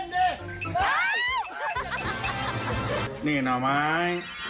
ดูนี่นี่เหนอะไหม